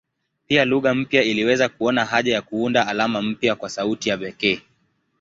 Pia lugha mpya iliweza kuona haja ya kuunda alama mpya kwa sauti ya pekee.